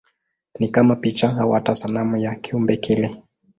Ni kama picha au hata sanamu ya kiumbe kile.